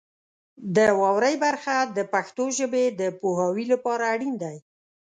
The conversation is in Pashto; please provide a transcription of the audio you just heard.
د واورئ برخه د پښتو ژبې د پوهاوي لپاره اړین دی.